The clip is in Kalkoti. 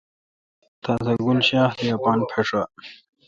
تازہ گل شاخ دی اپان پھشہ۔